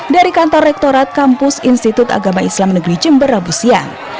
dari kantor rektorat kampus institut agama islam negeri jember rabu siang